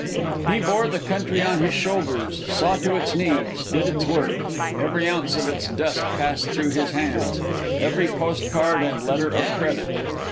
He bore the country on his shoulders; saw to its needs; did its work. Every ounce of its dust passed through his hands; every post card and letter of credit.